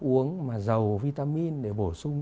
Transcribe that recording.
uống mà giàu vitamin để bổ sung